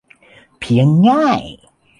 เพียงง่าย